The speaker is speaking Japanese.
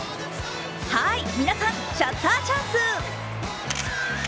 はーい、皆さんシャッターチャンス。